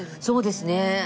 そうですね。